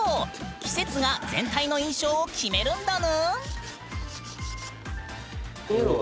季節が全体の印象を決めるんだぬん！